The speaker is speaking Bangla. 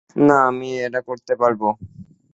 না, আমি এটা করতে পারবো।